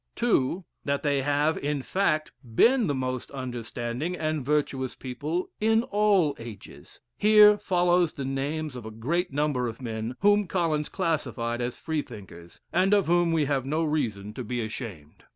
(2) That they have, in fact, been the most understanding and virtuous people in all ages. Here follows the names of a great number of men whom Collins classified as Freethinkers, and of whom we have no reason to be ashamed.